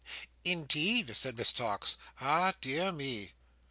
"In deed!" said Miss Tox. "Ah dear me!"